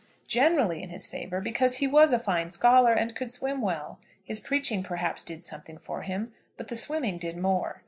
Generally in his favour, because he was a fine scholar, and could swim well. His preaching perhaps did something for him, but the swimming did more.